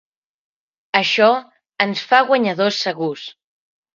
Això ens fa guanyadors segurs.